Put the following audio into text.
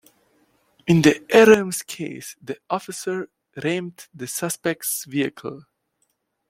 In the "Adams" case, the officer rammed the suspect's vehicle.